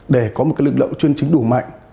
để có một lực lượng chuyên chính đủ mạnh